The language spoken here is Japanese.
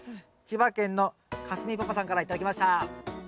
千葉県のかすみパパさんから頂きました。